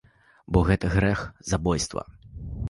Бо гэта грэх забойства.